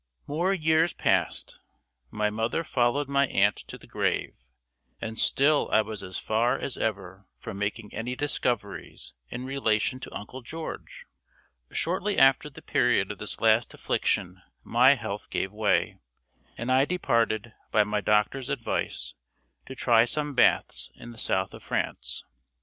MORE years passed; my mother followed my aunt to the grave, and still I was as far as ever from making any discoveries in relation to Uncle George. Shortly after the period of this last affliction my health gave way, and I departed, by my doctor's advice, to try some baths in the south of France.